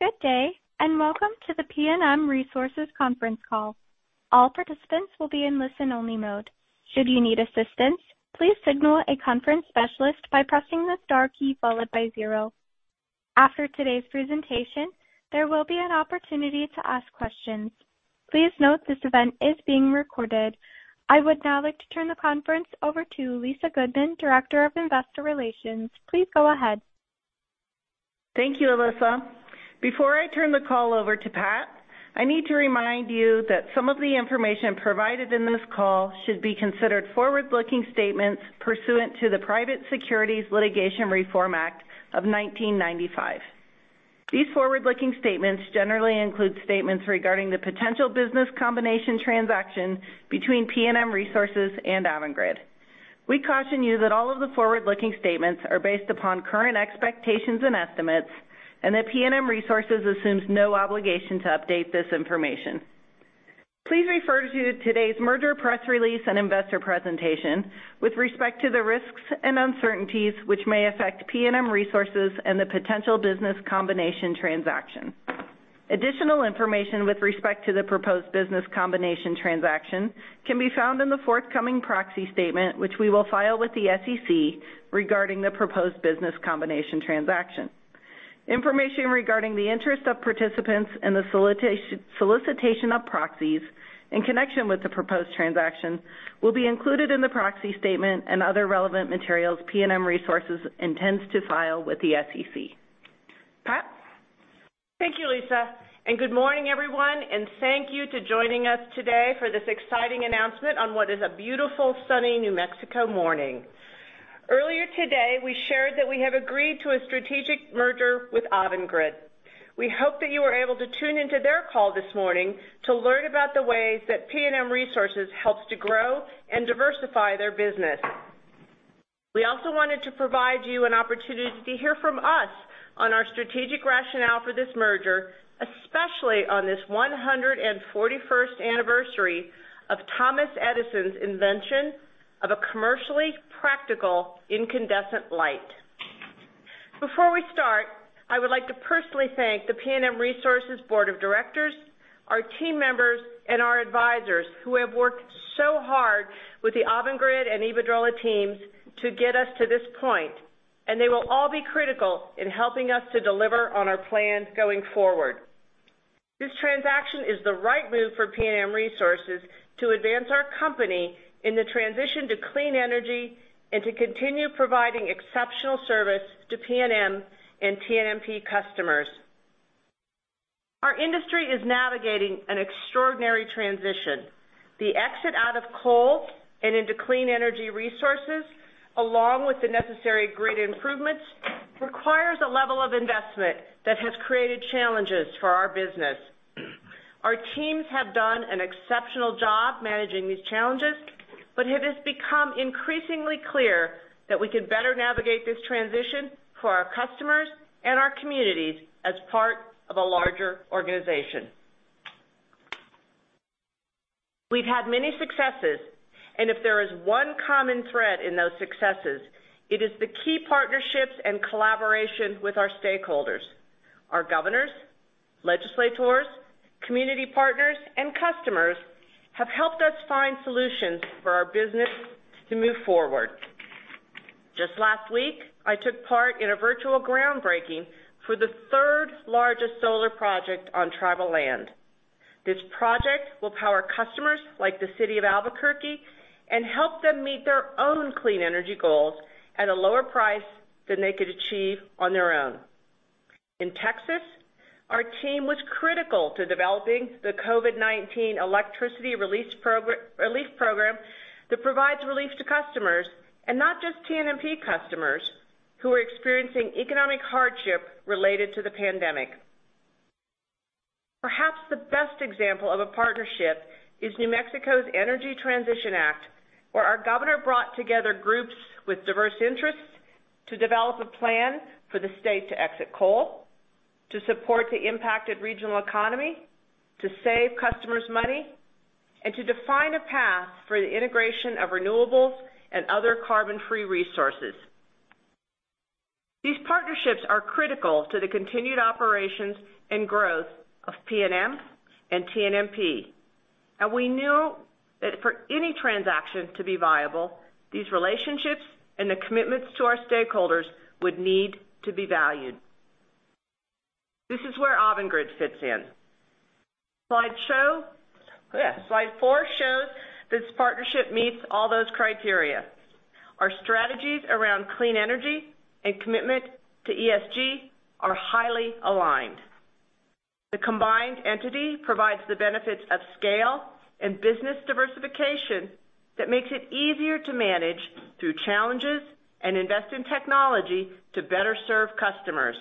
Good day, welcome to the PNM Resources conference call. All participants will be in listen-only mode. Should you need assistance, please signal a conference specialist by pressing the star key followed by zero. After today's presentation, there will be an opportunity to ask questions. Please note this event is being recorded. I would now like to turn the conference over to Lisa Goodman, Director of Investor Relations. Please go ahead. Thank you, Alyssa. Before I turn the call over to Pat, I need to remind you that some of the information provided in this call should be considered forward-looking statements pursuant to the Private Securities Litigation Reform Act of 1995. These forward-looking statements generally include statements regarding the potential business combination transaction between PNM Resources and Avangrid. We caution you that all of the forward-looking statements are based upon current expectations and estimates, and that PNM Resources assumes no obligation to update this information. Please refer to today's merger press release and investor presentation with respect to the risks and uncertainties which may affect PNM Resources and the potential business combination transaction. Additional information with respect to the proposed business combination transaction can be found in the forthcoming proxy statement, which we will file with the SEC regarding the proposed business combination transaction. Information regarding the interest of participants in the solicitation of proxies in connection with the proposed transaction will be included in the proxy statement and other relevant materials PNM Resources intends to file with the SEC. Pat? Thank you, Lisa, and good morning, everyone, and thank you to joining us today for this exciting announcement on what is a beautiful, sunny New Mexico morning. Earlier today, we shared that we have agreed to a strategic merger with Avangrid. We hope that you were able to tune into their call this morning to learn about the ways that PNM Resources helps to grow and diversify their business. We also wanted to provide you an opportunity to hear from us on our strategic rationale for this merger, especially on this 141st anniversary of Thomas Edison's invention of a commercially practical incandescent light. Before we start, I would like to personally thank the PNM Resources Board of Directors, our team members, and our advisors who have worked so hard with the Avangrid and Iberdrola teams to get us to this point, and they will all be critical in helping us to deliver on our plans going forward. This transaction is the right move for PNM Resources to advance our company in the transition to clean energy and to continue providing exceptional service to PNM and TNMP customers. Our industry is navigating an extraordinary transition. The exit out of coal and into clean energy resources, along with the necessary grid improvements, requires a level of investment that has created challenges for our business. Our teams have done an exceptional job managing these challenges, but it has become increasingly clear that we can better navigate this transition for our customers and our communities as part of a larger organization. We've had many successes, and if there is one common thread in those successes, it is the key partnerships and collaboration with our stakeholders. Our governors, legislators, community partners, and customers have helped us find solutions for our business to move forward. Just last week, I took part in a virtual groundbreaking for the third largest solar project on tribal land. This project will power customers like the city of Albuquerque and help them meet their own clean energy goals at a lower price than they could achieve on their own. In Texas, our team was critical to developing the COVID-19 Electricity Relief Program that provides relief to customers, and not just TNMP customers, who are experiencing economic hardship related to the pandemic. Perhaps the best example of a partnership is New Mexico's Energy Transition Act, where our governor brought together groups with diverse interests to develop a plan for the state to exit coal, to support the impacted regional economy, to save customers money, and to define a path for the integration of renewables and other carbon-free resources. These partnerships are critical to the continued operations and growth of PNM and TNMP. We knew that for any transaction to be viable, these relationships and the commitments to our stakeholders would need to be valued. This is where Avangrid fits in. Slide four shows this partnership meets all those criteria. Our strategies around clean energy and commitment to ESG are highly aligned. The combined entity provides the benefits of scale and business diversification that makes it easier to manage through challenges and invest in technology to better serve customers.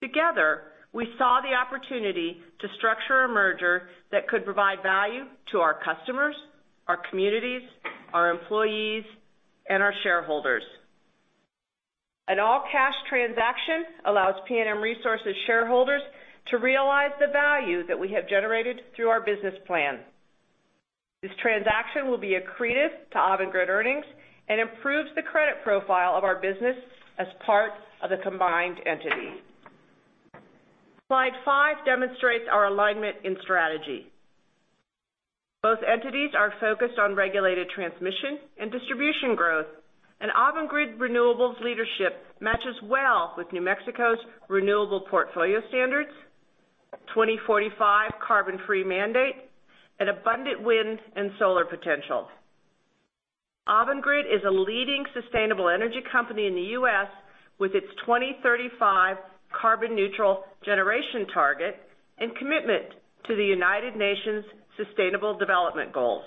Together, we saw the opportunity to structure a merger that could provide value to our customers, our communities, our employees, and our shareholders. An all-cash transaction allows PNM Resources shareholders to realize the value that we have generated through our business plan. This transaction will be accretive to Avangrid earnings and improves the credit profile of our business as part of the combined entity. Slide five demonstrates our alignment in strategy. Both entities are focused on regulated transmission and distribution growth, and Avangrid Renewables leadership matches well with New Mexico's renewable portfolio standards, 2045 carbon-free mandate, and abundant wind and solar potential. Avangrid is a leading sustainable energy company in the U.S., with its 2035 carbon neutral generation target and commitment to the United Nations sustainable development goals.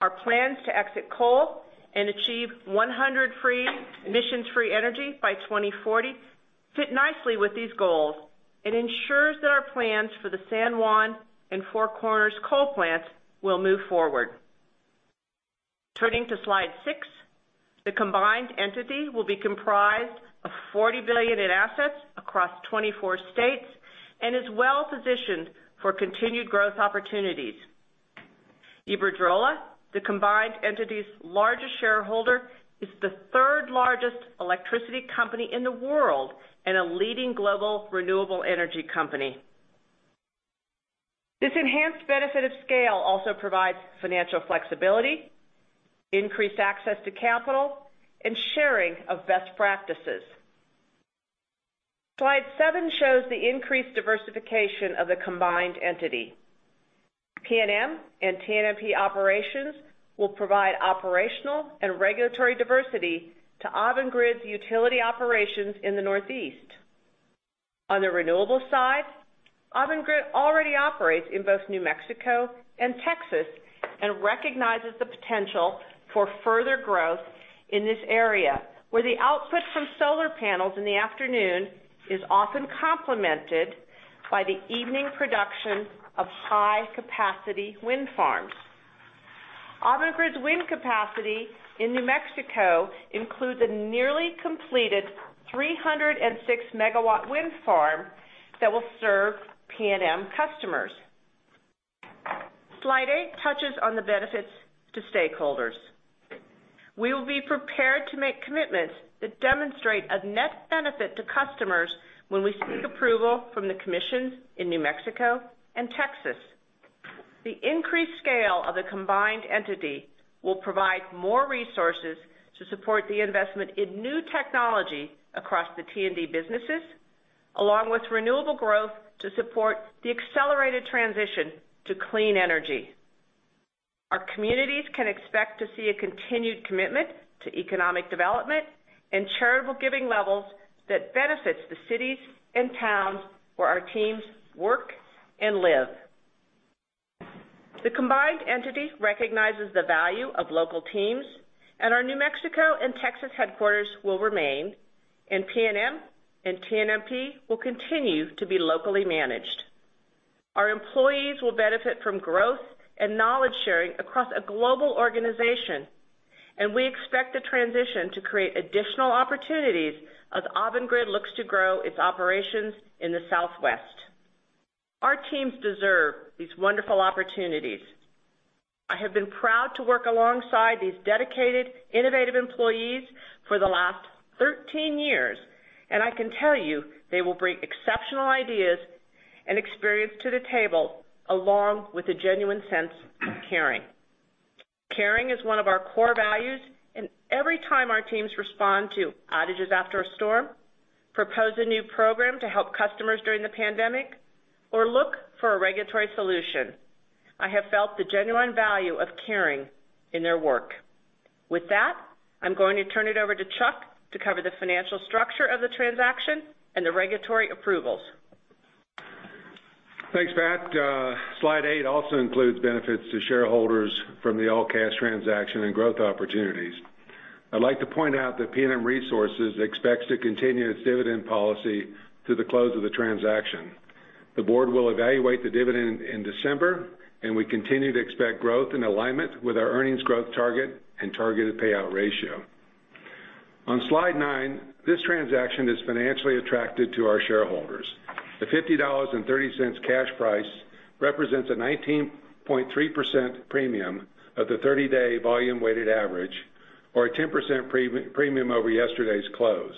Our plans to exit coal and achieve 100 emissions-free energy by 2040 fit nicely with these goals and ensures that our plans for the San Juan and Four Corners coal plants will move forward. Turning to slide six, the combined entity will be comprised of $40 billion in assets across 24 states, and is well-positioned for continued growth opportunities. Iberdrola, the combined entity's largest shareholder, is the third largest electricity company in the world and a leading global renewable energy company. This enhanced benefit of scale also provides financial flexibility, increased access to capital, and sharing of best practices. Slide seven shows the increased diversification of the combined entity. PNM and TNMP operations will provide operational and regulatory diversity to Avangrid's utility operations in the Northeast. On the renewable side, Avangrid already operates in both New Mexico and Texas and recognizes the potential for further growth in this area, where the output from solar panels in the afternoon is often complemented by the evening production of high-capacity wind farms. Avangrid's wind capacity in New Mexico includes a nearly completed 306 MW wind farm that will serve PNM customers. Slide eight touches on the benefits to stakeholders. We will be prepared to make commitments that demonstrate a net benefit to customers when we seek approval from the Commissions in New Mexico and Texas. The increased scale of the combined entity will provide more resources to support the investment in new technology across the T&D businesses, along with renewable growth to support the accelerated transition to clean energy. Our communities can expect to see a continued commitment to economic development and charitable giving levels that benefits the cities and towns where our teams work and live. The combined entity recognizes the value of local teams, and our New Mexico and Texas headquarters will remain, and PNM and TNMP will continue to be locally managed. Our employees will benefit from growth and knowledge-sharing across a global organization, and we expect the transition to create additional opportunities as Avangrid looks to grow its operations in the Southwest. Our teams deserve these wonderful opportunities. I have been proud to work alongside these dedicated, innovative employees for the last 13 years, and I can tell you they will bring exceptional ideas and experience to the table, along with a genuine sense of caring. Caring is one of our core values. Every time our teams respond to outages after a storm, propose a new program to help customers during the pandemic, or look for a regulatory solution, I have felt the genuine value of caring in their work. With that, I'm going to turn it over to Chuck to cover the financial structure of the transaction and the regulatory approvals. Thanks, Pat. Slide eight also includes benefits to shareholders from the all-cash transaction and growth opportunities. I'd like to point out that PNM Resources expects to continue its dividend policy through the close of the transaction. The Board will evaluate the dividend in December, and we continue to expect growth in alignment with our earnings growth target and targeted payout ratio. On slide nine, this transaction is financially attractive to our shareholders. The $50.30 cash price represents a 19.3% premium of the 30-day volume-weighted average, or a 10% premium over yesterday's close.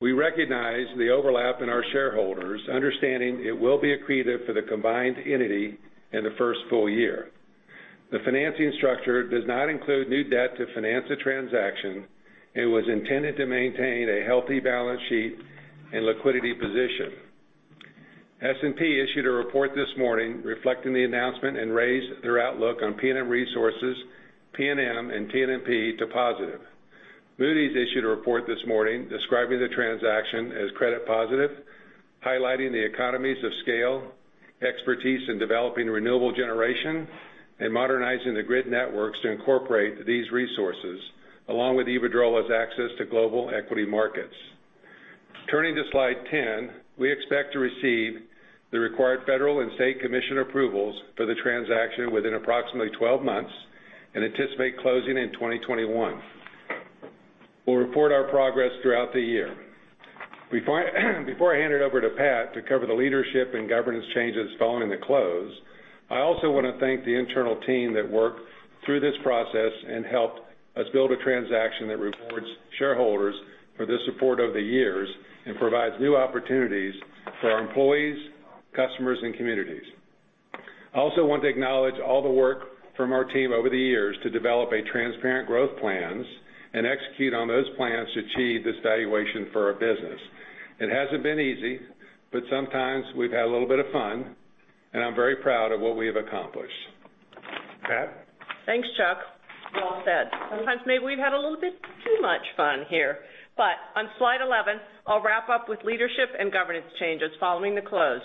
We recognize the overlap in our shareholders, understanding it will be accretive for the combined entity in the first full year. The financing structure does not include new debt to finance the transaction and was intended to maintain a healthy balance sheet and liquidity position. S&P issued a report this morning reflecting the announcement and raised their outlook on PNM Resources, PNM, and TNMP to positive. Moody's issued a report this morning describing the transaction as credit positive, highlighting the economies of scale, expertise in developing renewable generation, and modernizing the grid networks to incorporate these resources, along with Iberdrola's access to global equity markets. Turning to slide 10, we expect to receive the required Federal and State Commission approvals for the transaction within approximately 12 months and anticipate closing in 2021. We'll report our progress throughout the year. Before I hand it over to Pat to cover the leadership and governance changes following the close, I also want to thank the internal team that worked through this process and helped us build a transaction that rewards shareholders for their support over the years and provides new opportunities for our employees, customers, and communities. I also want to acknowledge all the work from our team over the years to develop a transparent growth plans and execute on those plans to achieve this valuation for our business. It hasn't been easy, but sometimes we've had a little bit of fun, and I'm very proud of what we have accomplished. Pat? Thanks, Chuck. Well said. Sometimes maybe we've had a little bit too much fun here. On slide 11, I'll wrap up with leadership and governance changes following the close.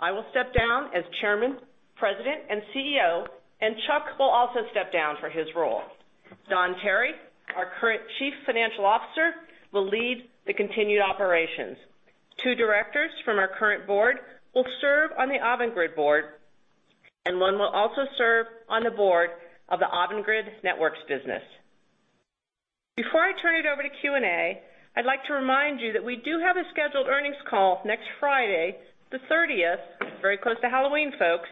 I will step down as Chairman, President, and CEO, and Chuck will also step down from his role. Don Tarry, our current Chief Financial Officer, will lead the continued operations. Two directors from our current Board will serve on the Avangrid Board, and one will also serve on the Board of the Avangrid Networks business. Before I turn it over to Q&A, I'd like to remind you that we do have a scheduled earnings call next Friday, the 30th, very close to Halloween, folks.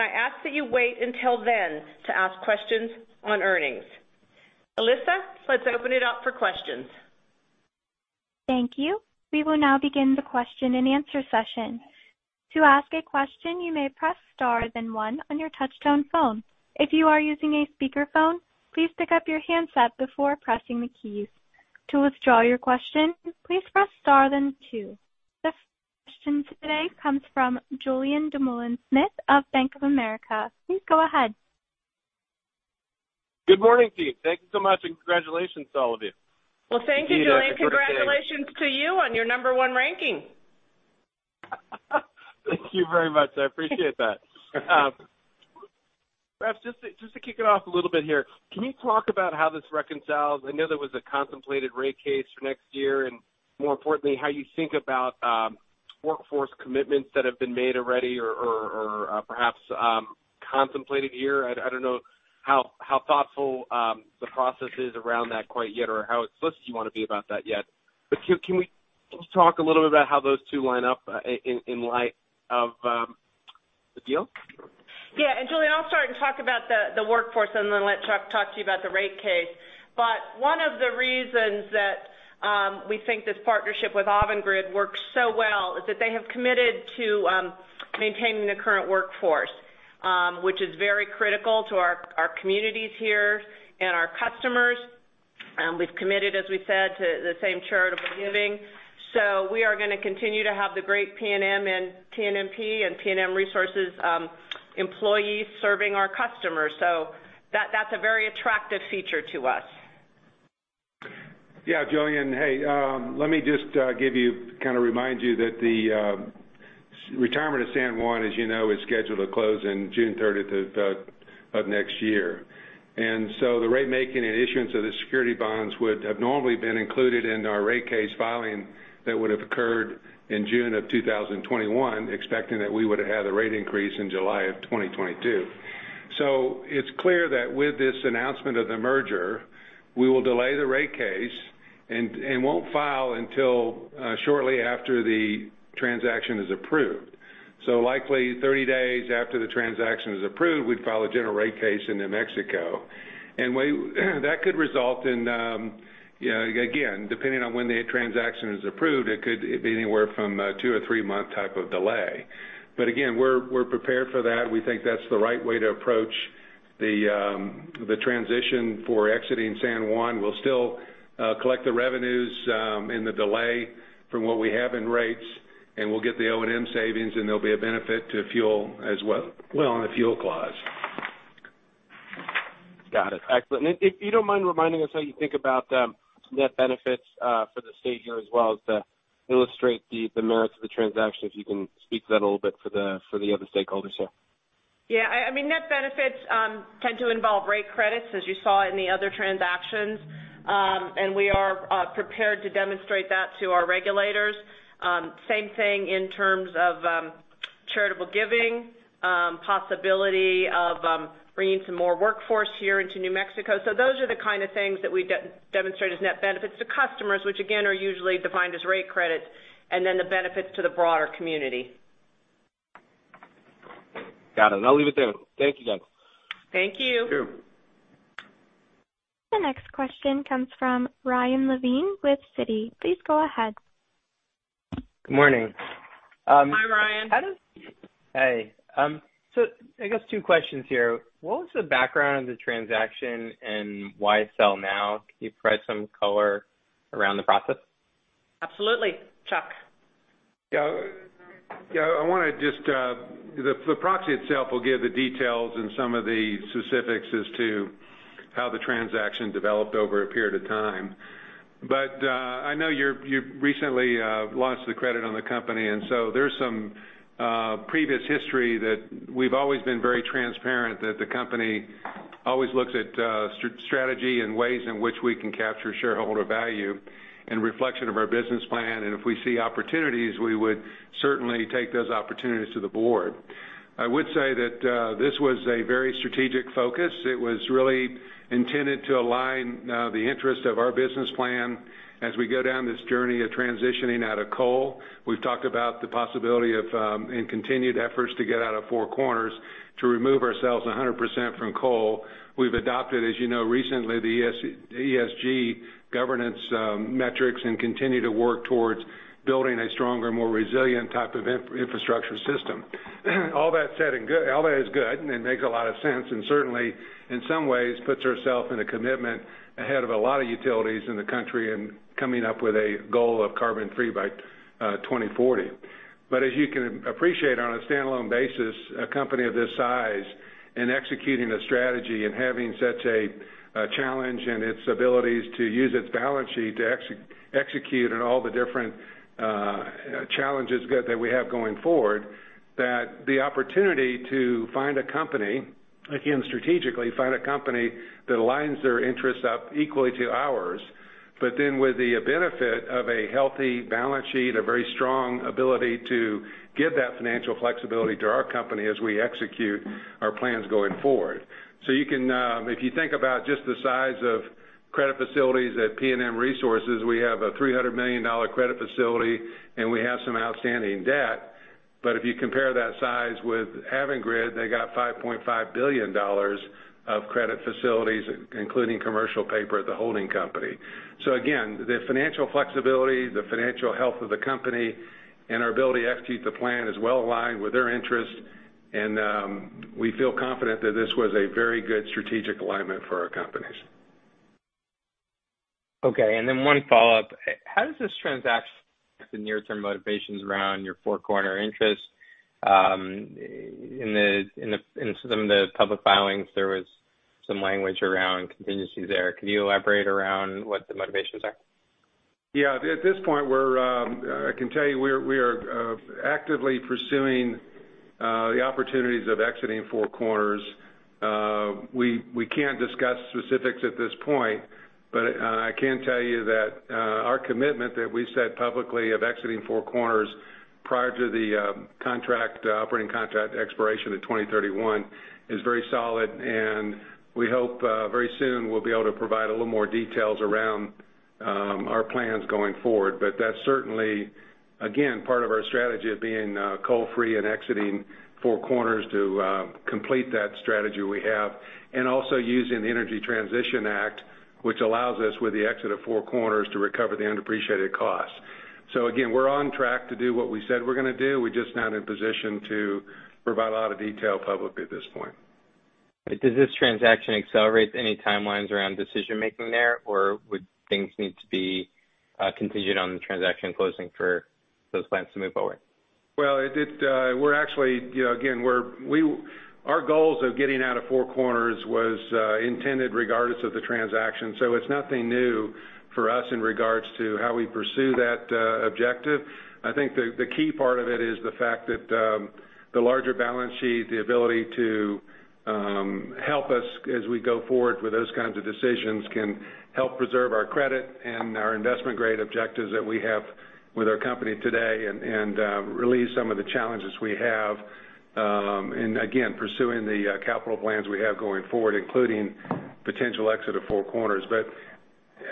I ask that you wait until then to ask questions on earnings. Alyssa, let's open it up for questions. Thank you. We will now begin the question-and-answer session. To ask a question, you may press star then one on your touchtone phone. If you are using a speakerphone, please pickup your handset before pressing the key,. To withdraw your question, please press star then two. The first question today comes from Julien Dumoulin-Smith of Bank of America. Please go ahead. Good morning to you. Thank you so much, and congratulations to all of you. Well, thank you, Julien. Congratulations to you on your number one ranking. Thank you very much. I appreciate that. Perhaps just to kick it off a little bit here, can you talk about how this reconciles? I know there was a contemplated rate case for next year, and more importantly, how you think about workforce commitments that have been made already or perhaps contemplated here. I don't know how thoughtful the process is around that quite yet or how explicit you want to be about that yet. Can we talk a little bit about how those two line up in light of the deal? Yeah. Julien, I'll start and talk about the workforce and then let Chuck talk to you about the rate case. One of the reasons that we think this partnership with Avangrid works so well is that they have committed to maintaining the current workforce, which is very critical to our communities here and our customers. We've committed, as we said, to the same charitable giving. We are going to continue to have the great PNM and TNMP and PNM Resources employees serving our customers. That's a very attractive feature to us. Yeah. Julien, hey, let me just kind of remind you that the retirement of San Juan, as you know, is scheduled to close in June 30 of next year. The ratemaking and issuance of the security bonds would have normally been included in our rate case filing that would have occurred in June of 2021, expecting that we would have had the rate increase in July of 2022. It's clear that with this announcement of the merger, we will delay the rate case and won't file until shortly after the transaction is approved. Likely 30 days after the transaction is approved, we'd file a general rate case in New Mexico. That could result in, again, depending on when the transaction is approved, it could be anywhere from a two or three-month type of delay. Again, we're prepared for that. We think that's the right way to approach the transition for exiting San Juan. We'll still collect the revenues in the delay from what we have in rates, and we'll get the O&M savings, and there'll be a benefit to fuel as well on the fuel clause. Got it. Excellent. If you don't mind reminding us how you think about net benefits for the state here as well to illustrate the merits of the transaction, if you can speak to that a little bit for the other stakeholders here. Yeah. Net benefits tend to involve rate credits, as you saw in the other transactions, and we are prepared to demonstrate that to our regulators. Same thing in terms of charitable giving, possibility of bringing some more workforce here into New Mexico. Those are the kind of things that we demonstrate as net benefits to customers, which, again, are usually defined as rate credits, and then the benefits to the broader community. Got it. I'll leave it there. Thank you, guys. Thank you. Thank you. The next question comes from Ryan Levine with Citi. Please go ahead. Good morning. Hi, Ryan. Hey. I guess two questions here. What was the background of the transaction and why sell now? Can you provide some color around the process? Absolutely. Chuck? Yeah. The proxy itself will give the details and some of the specifics as to how the transaction developed over a period of time. I know you've recently launched the credit on the company, and so there's some previous history that we've always been very transparent that the company always looks at strategy and ways in which we can capture shareholder value. Reflection of our business plan, and if we see opportunities, we would certainly take those opportunities to the Board. I would say that this was a very strategic focus. It was really intended to align the interest of our business plan as we go down this journey of transitioning out of coal. We've talked about the possibility of and continued efforts to get out of Four Corners to remove ourselves 100% from coal. We've adopted, as you know, recently, the ESG governance metrics and continue to work towards building a stronger, more resilient type of infrastructure system. All that is good, and it makes a lot of sense, and certainly, in some ways, puts ourself in a commitment ahead of a lot of utilities in the country in coming up with a goal of carbon-free by 2040. As you can appreciate, on a standalone basis, a company of this size and executing a strategy and having such a challenge in its abilities to use its balance sheet to execute on all the different challenges that we have going forward, that the opportunity to find a company, again, strategically, find a company that aligns their interests up equally to ours, with the benefit of a healthy balance sheet, a very strong ability to give that financial flexibility to our company as we execute our plans going forward. If you think about just the size of credit facilities at PNM Resources, we have a $300 million credit facility, and we have some outstanding debt. If you compare that size with Avangrid, they got $5.5 billion of credit facilities, including commercial paper at the holding company. Again, the financial flexibility, the financial health of the company, and our ability to execute the plan is well-aligned with their interest, and we feel confident that this was a very good strategic alignment for our companies. Okay. One follow-up. How does this transaction affect the near-term motivations around your Four Corners interests? In some of the public filings, there was some language around contingencies there. Could you elaborate around what the motivations are? Yeah. At this point, I can tell you we are actively pursuing the opportunities of exiting Four Corners. We can't discuss specifics at this point, but I can tell you that our commitment that we've said publicly of exiting Four Corners prior to the operating contract expiration in 2031 is very solid, and we hope very soon we'll be able to provide a little more details around our plans going forward. That's certainly, again, part of our strategy of being coal-free and exiting Four Corners to complete that strategy we have. Also using the Energy Transition Act, which allows us, with the exit of Four Corners, to recover the undepreciated costs. Again, we're on track to do what we said we're going to do. We're just not in position to provide a lot of detail publicly at this point. Does this transaction accelerate any timelines around decision-making there, or would things need to be contingent on the transaction closing for those plans to move forward? Well, our goals of getting out of Four Corners was intended regardless of the transaction, so it's nothing new for us in regards to how we pursue that objective. I think the key part of it is the fact that the larger balance sheet, the ability to help us as we go forward with those kinds of decisions, can help preserve our credit and our investment-grade objectives that we have with our company today and relieve some of the challenges we have in, again, pursuing the capital plans we have going forward, including potential exit of Four Corners.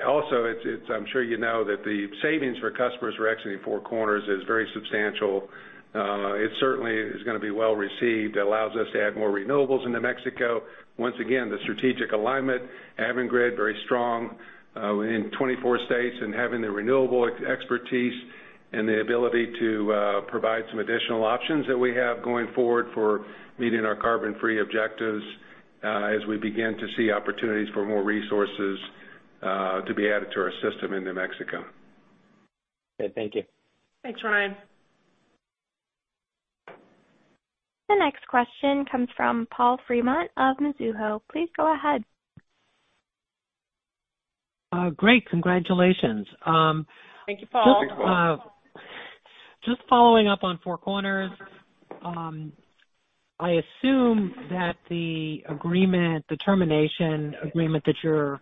Also, I'm sure you know that the savings for customers who are exiting Four Corners is very substantial. It certainly is going to be well-received. It allows us to add more renewables in New Mexico. Once again, the strategic alignment, Avangrid, very strong in 24 states and having the renewable expertise and the ability to provide some additional options that we have going forward for meeting our carbon-free objectives as we begin to see opportunities for more resources to be added to our system in New Mexico. Okay. Thank you. Thanks, Ryan. The next question comes from Paul Fremont of Mizuho. Please go ahead. Great. Congratulations. Thank you, Paul. Just following up on Four Corners, I assume that the termination agreement that you're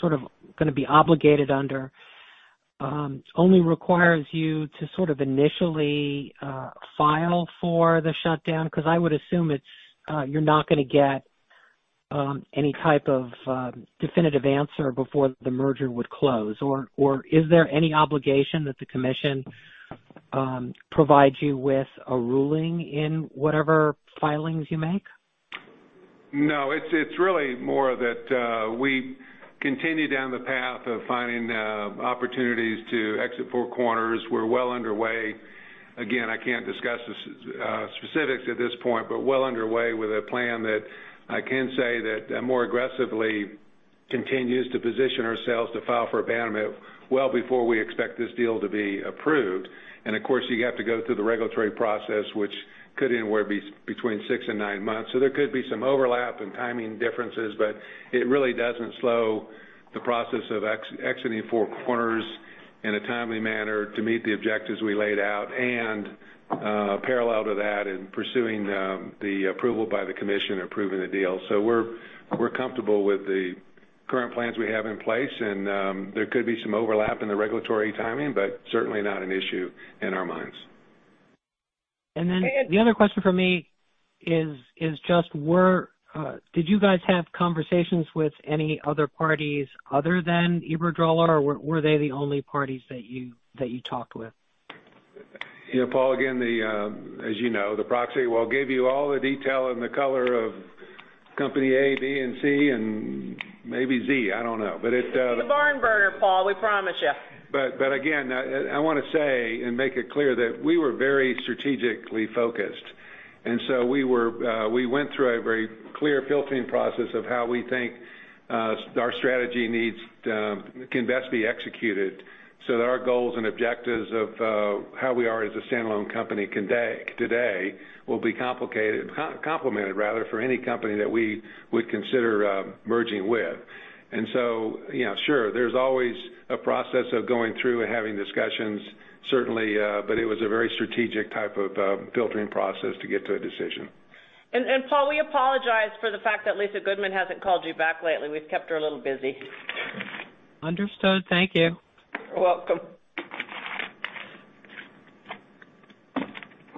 sort of going to be obligated under only requires you to sort of initially file for the shutdown, because I would assume you're not going to get any type of definitive answer before the merger would close, or is there any obligation that the Commission provides you with a ruling in whatever filings you make? No, it's really more that we continue down the path of finding opportunities to exit Four Corners. We're well underway. Again, I can't discuss the specifics at this point, but well underway with a plan that I can say that more aggressively continues to position ourselves to file for abandonment well before we expect this deal to be approved. Of course, you have to go through the regulatory process, which could anywhere between six and nine months. There could be some overlap and timing differences, but it really doesn't slow the process of exiting Four Corners in a timely manner to meet the objectives we laid out, and parallel to that, in pursuing the approval by the Commission approving the deal. We're comfortable with the current plans we have in place, and there could be some overlap in the regulatory timing, but certainly not an issue in our minds. The other question from me is just did you guys have conversations with any other parties other than Iberdrola, or were they the only parties that you talked with? Yeah, Paul, again, as you know, the proxy will give you all the detail and the color of Company A, B, and C, and maybe Z, I don't know. It'll be the barn burner, Paul, we promise you. Again, I want to say and make it clear that we were very strategically focused. We went through a very clear filtering process of how we think our strategy can best be executed so that our goals and objectives of how we are as a standalone company today will be complicated, complemented rather, for any company that we would consider merging with. Sure, there's always a process of going through and having discussions, certainly, but it was a very strategic type of filtering process to get to a decision. Paul, we apologize for the fact that Lisa Goodman hasn't called you back lately. We've kept her a little busy. Understood. Thank you. You're welcome.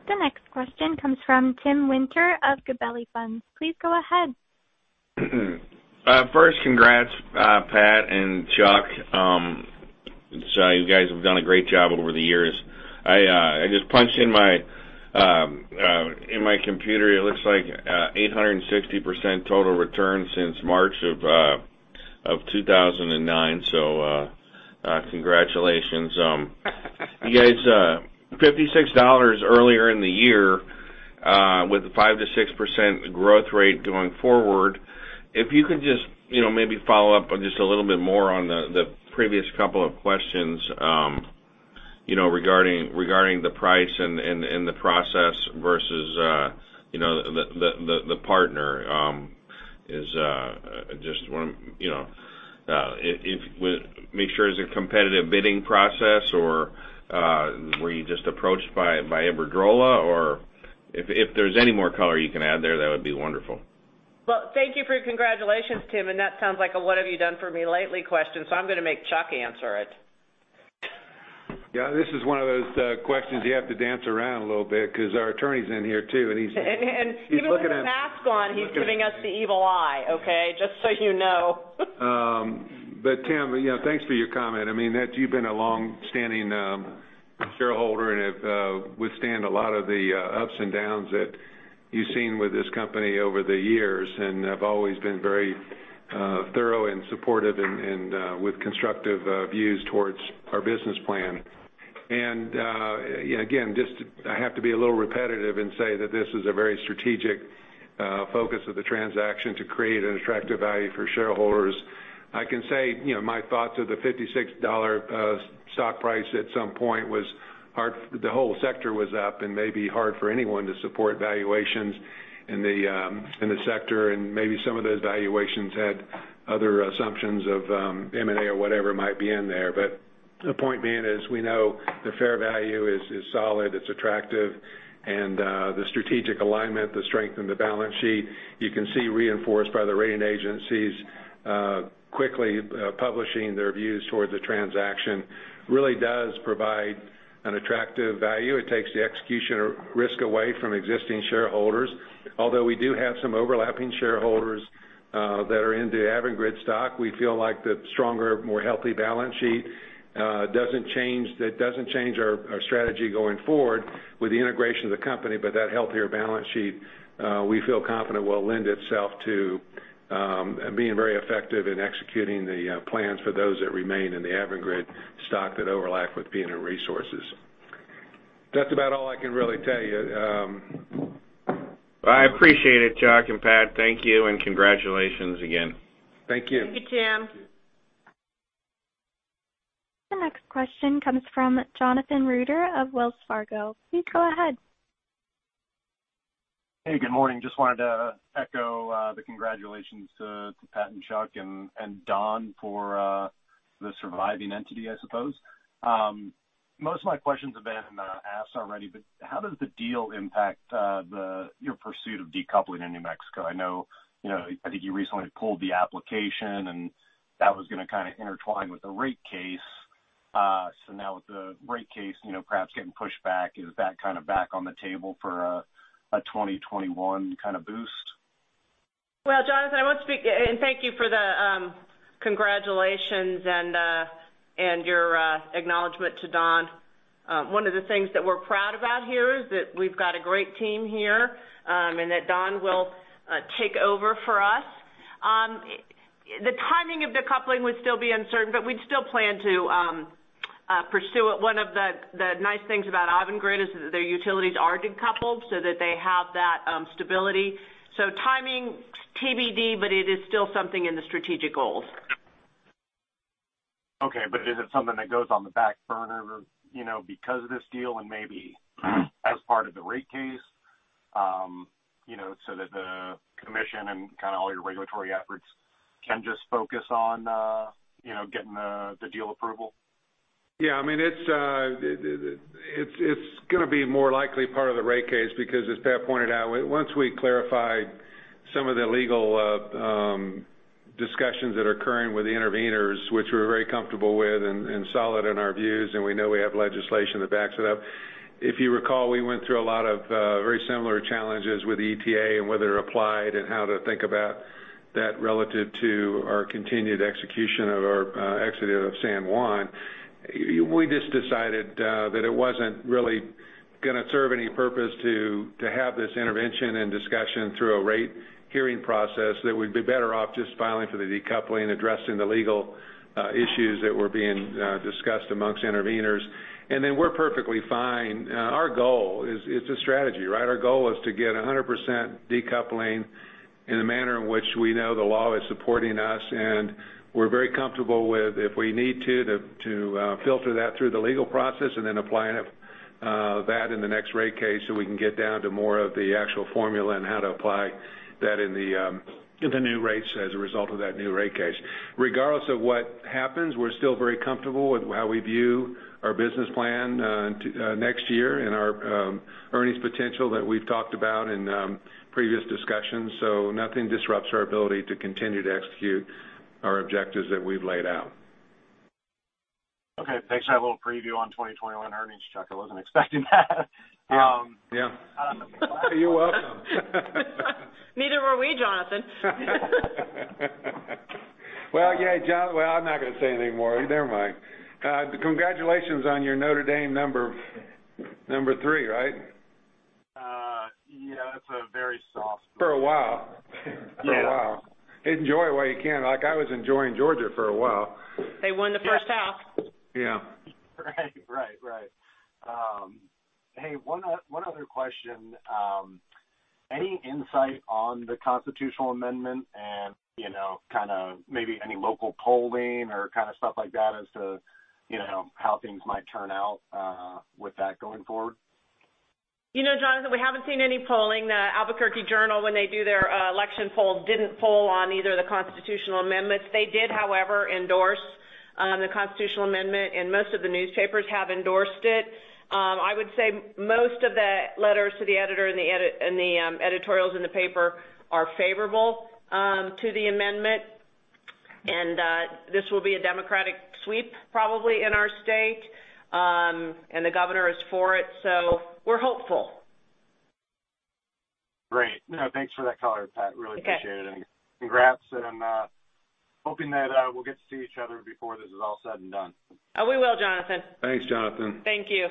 The next question comes from Tim Winter of Gabelli Funds. Please go ahead. Congrats, Pat and Chuck. You guys have done a great job over the years. I just punched in my computer. It looks like 860% total return since March 2009. Congratulations. You guys, $56 earlier in the year, with a 5%-6% growth rate going forward. If you could just maybe follow up just a little bit more on the previous couple of questions regarding the price and the process versus the partner. Make sure it's a competitive bidding process or were you just approached by Iberdrola? If there's any more color you can add there, that would be wonderful. Well, thank you for your congratulations, Tim. That sounds like a what have you done for me lately question. I'm going to make Chuck answer it. This is one of those questions you have to dance around a little bit because our attorney's in here too. Even with a mask on, he's giving us the evil eye, okay? Just so you know. Tim, thanks for your comment. You've been a longstanding shareholder and have withstand a lot of the ups and downs that you've seen with this company over the years, and have always been very thorough and supportive and with constructive views towards our business plan. Again, I have to be a little repetitive and say that this is a very strategic focus of the transaction to create an attractive value for shareholders. I can say my thoughts of the $56 stock price at some point was the whole sector was up and maybe hard for anyone to support valuations in the sector, and maybe some of those valuations had other assumptions of M&A or whatever might be in there. The point being is we know the fair value is solid, it's attractive, and the strategic alignment, the strength in the balance sheet, you can see reinforced by the rating agencies quickly publishing their views towards the transaction really does provide an attractive value. It takes the execution risk away from existing shareholders. Although we do have some overlapping shareholders that are into Avangrid stock, we feel like the stronger, more healthy balance sheet doesn't change our strategy going forward with the integration of the company. That healthier balance sheet, we feel confident will lend itself to being very effective in executing the plans for those that remain in the Avangrid stock that overlap with PNM Resources. That's about all I can really tell you. I appreciate it, Chuck and Pat. Thank you, and congratulations again. Thank you. Thank you, Tim. The next question comes from Jonathan Reeder of Wells Fargo. Please go ahead. Hey, good morning. Just wanted to echo the congratulations to Pat and Chuck and Don for the surviving entity, I suppose. How does the deal impact your pursuit of decoupling in New Mexico? I think you recently pulled the application, that was going to kind of intertwine with the rate case. Now with the rate case perhaps getting pushed back, is that kind of back on the table for a 2021 kind of boost? Jonathan, I want to speak, and thank you for the congratulations and your acknowledgement to Don. One of the things that we're proud about here is that we've got a great team here, and that Don will take over for us. The timing of decoupling would still be uncertain, but we'd still plan to pursue it. One of the nice things about Avangrid is that their utilities are decoupled so that they have that stability. Timing TBD, but it is still something in the strategic goals. Okay. Is it something that goes on the back burner because of this deal and maybe as part of the rate case? That the Commission and kind of all your regulatory efforts can just focus on getting the deal approval? Yeah. It's going to be more likely part of the rate case, because as Pat pointed out, once we clarify some of the legal discussions that are occurring with the intervenors, which we're very comfortable with and solid in our views, and we know we have legislation that backs it up. If you recall, we went through a lot of very similar challenges with ETA and whether it applied and how to think about that relative to our continued execution of our exit of San Juan. We just decided that it wasn't really going to serve any purpose to have this intervention and discussion through a rate hearing process, that we'd be better off just filing for the decoupling, addressing the legal issues that were being discussed amongst intervenors. We're perfectly fine. Our goal is, it's a strategy, right? Our goal is to get 100% decoupling in a manner in which we know the law is supporting us, and we're very comfortable with, if we need to filter that through the legal process and then applying that in the next rate case so we can get down to more of the actual formula and how to apply that in the new rates as a result of that new rate case. Regardless of what happens, we're still very comfortable with how we view our business plan next year and our earnings potential that we've talked about in previous discussions. Nothing disrupts our ability to continue to execute our objectives that we've laid out. Okay, thanks for that little preview on 2021 earnings, Chuck. I wasn't expecting that. Yeah. You're welcome. Neither were we, Jonathan. Well, I'm not going to say anymore. Never mind. Congratulations on your Notre Dame number three, right? Yeah, that's a very soft- For a while. Yeah. For a while. Enjoy it while you can. Like I was enjoying Georgia for a while. They won the first half. Yeah. Right. Hey, one other question. Any insight on the constitutional amendment and kind of maybe any local polling or kind of stuff like that as to how things might turn out with that going forward? Jonathan, we haven't seen any polling. The Albuquerque Journal, when they do their election poll, didn't poll on either of the constitutional amendments. They did, however, endorse the constitutional amendment, and most of the newspapers have endorsed it. I would say most of the letters to the editor and the editorials in the paper are favorable to the amendment, and this will be a Democratic sweep probably in our state. The Governor is for it, so we're hopeful. Great. No, thanks for that color, Pat. Really appreciate it. Okay. Congrats, and hoping that we'll get to see each other before this is all said and done. Oh, we will, Jonathan. Thanks, Jonathan. Thank you.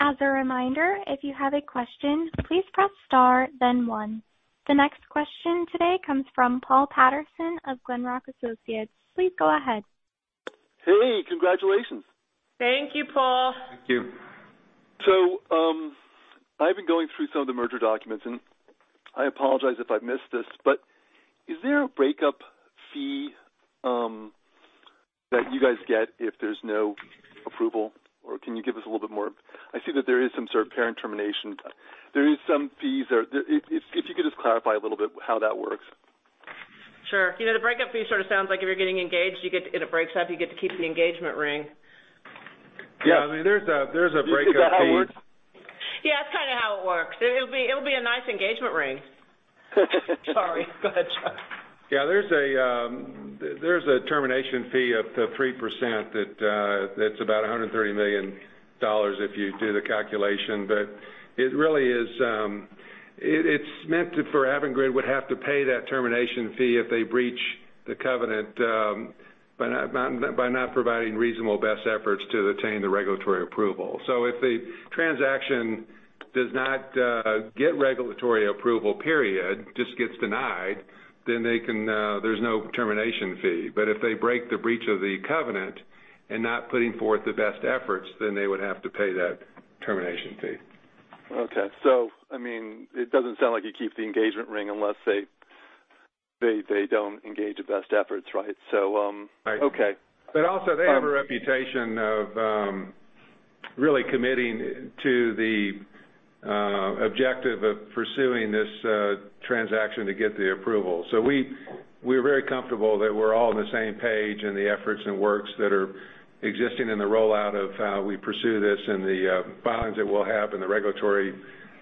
As a reminder, if you have a question, please press star then one. The next question today comes from Paul Patterson of Glenrock Associates. Please go ahead. Hey, congratulations. Thank you, Paul. Thank you. I've been going through some of the merger documents, and I apologize if I missed this, but is there a breakup fee that you guys get if there's no approval? Can you give us a little bit more? I see that there is some sort of parent termination. There is some fees there. If you could just clarify a little bit how that works. Sure. The breakup fee sort of sounds like if you're getting engaged, and it breaks up, you get to keep the engagement ring. Yeah. There's a breakup fee. Is that how it works? Yeah, that's kind of how it works. It'll be a nice engagement ring. Sorry, go ahead, Chuck. Yeah, there's a termination fee up to 3% that's about $130 million if you do the calculation. It's meant for if Avangrid would have to pay that termination fee if they breach the covenant by not providing reasonable best efforts to attain the regulatory approval. If the transaction does not get regulatory approval, just gets denied, then there's no termination fee. If they break the breach of the covenant and not putting forth the best efforts, then they would have to pay that termination fee. Okay. It doesn't sound like you keep the engagement ring unless they don't engage the best efforts, right? Right. Okay. Also, they have a reputation of really committing to the objective of pursuing this transaction to get the approval. We're very comfortable that we're all on the same page in the efforts and works that are existing in the rollout of how we pursue this, and the filings that we'll have and the regulatory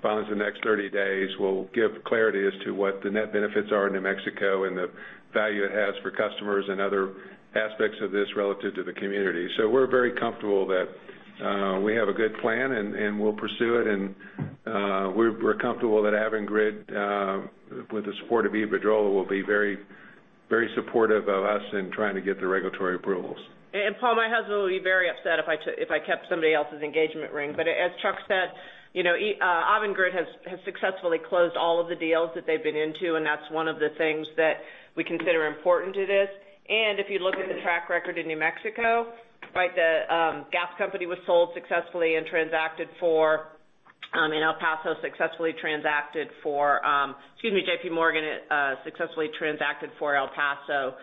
filings the next 30 days will give clarity as to what the net benefits are in New Mexico and the value it has for customers and other aspects of this relative to the community. We're very comfortable that we have a good plan, and we'll pursue it. We're comfortable that Avangrid, with the support of Iberdrola, will be very supportive of us in trying to get the regulatory approvals. Paul, my husband will be very upset if I kept somebody else's engagement ring. As Chuck said, Avangrid has successfully closed all of the deals that they've been into, and that's one of the things that we consider important to this. If you look at the track record in New Mexico, right, the gas company was sold successfully and transacted for, I mean El Paso successfully transacted for, excuse me, JPMorgan successfully transacted for El Paso.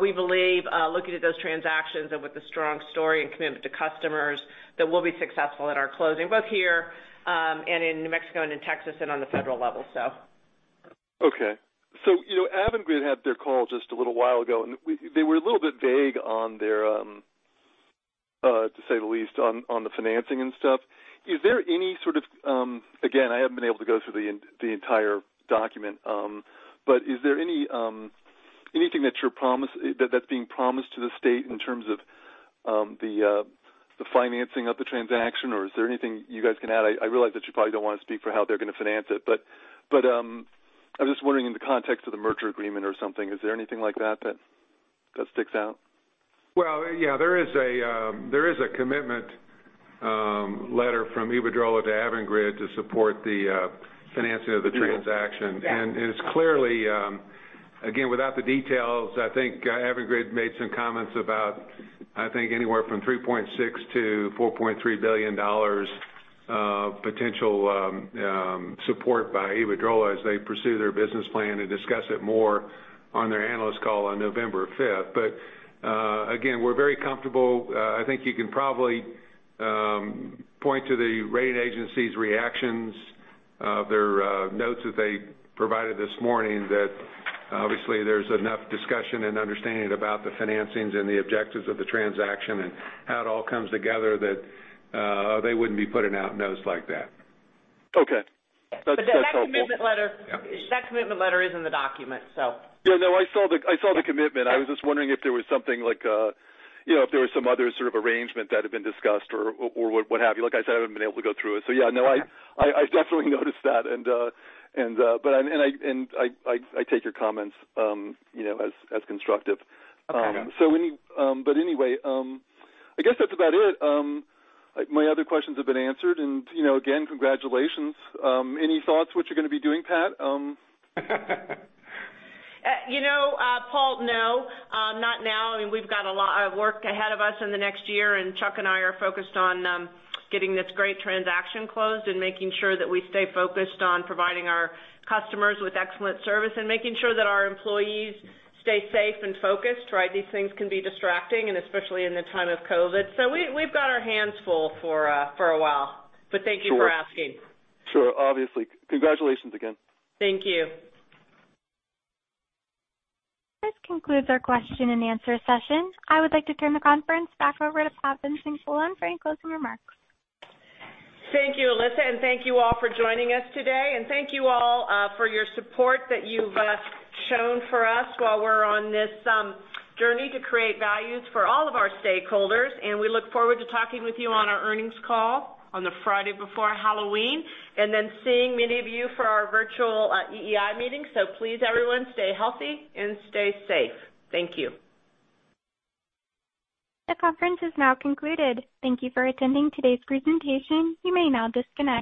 We believe, looking at those transactions and with the strong story and commitment to customers, that we'll be successful in our closing, both here and in New Mexico and in Texas, and on the federal level, so. Okay. Avangrid had their call just a little while ago, and they were a little bit vague on their, to say the least, on the financing and stuff. Is there any sort of, again, I haven't been able to go through the entire document, but is there anything that's being promised to the state in terms of the financing of the transaction, or is there anything you guys can add? I realize that you probably don't want to speak for how they're going to finance it, but I'm just wondering in the context of the merger agreement or something, is there anything like that that sticks out? Well, yeah. There is a commitment letter from Iberdrola to Avangrid to support the financing of the transaction. Yeah. It's clearly, again, without the details, Avangrid made some comments about anywhere from $3.6 billion-$4.3 billion of potential support by Iberdrola as they pursue their business plan and discuss it more on their analyst call on November 5th. Again, we're very comfortable. I think you can probably point to the rating agencies reactions, their notes that they provided this morning, that obviously there's enough discussion and understanding about the financings and the objectives of the transaction and how it all comes together, that they wouldn't be putting out notes like that. Okay. That's helpful. That commitment letter is in the document. Yeah. No, I saw the commitment. I was just wondering if there was something like, if there was some other sort of arrangement that had been discussed or what have you. Like I said, I haven't been able to go through it. Yeah, no, I definitely noticed that, and I take your comments as constructive. Okay. Anyway, I guess that's about it. My other questions have been answered and again, congratulations. Any thoughts what you're going to be doing, Pat? Paul, no, not now. I mean, we've got a lot of work ahead of us in the next year, and Chuck and I are focused on getting this great transaction closed and making sure that we stay focused on providing our customers with excellent service and making sure that our employees stay safe and focused, right? These things can be distracting, especially in the time of COVID. We've got our hands full for a while. Thank you for asking. Sure. Obviously. Congratulations again. Thank you. This concludes our question-and-answer session. I would like to turn the conference back over to Pat Vincent-Collawn for any closing remarks. Thank you, Alyssa, and thank you all for joining us today, and thank you all for your support that you've shown for us while we're on this journey to create values for all of our stakeholders. We look forward to talking with you on our earnings call on the Friday before Halloween, and then seeing many of you for our virtual EEI meeting. Please, everyone, stay healthy and stay safe. Thank you. The conference is now concluded. Thank you for attending today's presentation. You may now disconnect.